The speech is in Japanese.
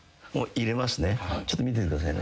ちょっと見ててくださいね。